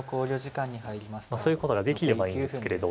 まあそういうことができればいいんですけれど。